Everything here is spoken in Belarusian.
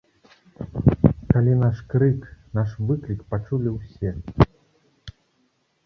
Калі наш крык, наш выклік пачулі ўсе.